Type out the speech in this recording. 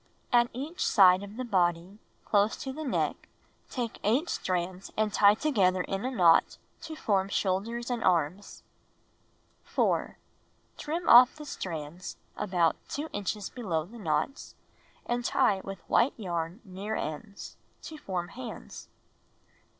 At each side of the body, close to the neck, take 8 strands and tie together in a knot to form shoulders and arms. OU 4. Trim off the strands about 2 inches below the knots, and tie with white yarn near ends — to form hands. 5.